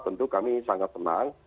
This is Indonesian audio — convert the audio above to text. tentu kami sangat tenang